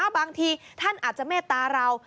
บางทีท่านอาจจะเมตตาเรา